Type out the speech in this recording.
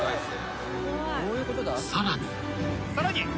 ［さらに］